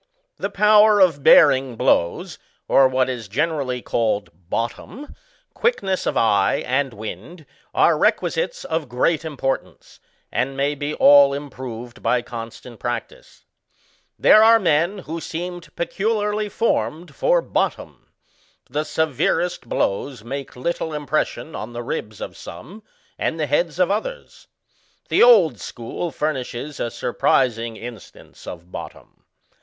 The power of bearing blows, or what is generally Digitized by VjOOQIC SKETCHES OF PUGILISM. 19 called bottom, quickness of eye^ and wind, are requi sites of great importance, and may be all improved by constant practice. There are men who seemed peculiarly formed for bottom. The severest blows make little impression on the ribs of some, and the heads of others. The Old School furnishes a sur prising instance of bottom.